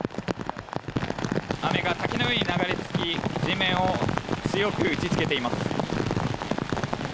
雨が滝のように流れつき、地面を強く打ちつけています。